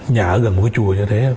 nhà ở gần một cái chùa như thế